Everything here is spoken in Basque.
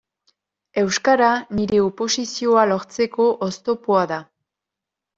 Euskara nire oposizioa lortzeko oztopoa da.